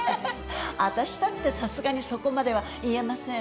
あたしだってさすがにそこまでは言えませんわ。